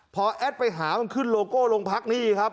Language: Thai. พอแอดไปหามันขึ้นโลโก้โรงพักนี่ครับ